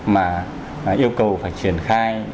mà yêu cầu phải triển khai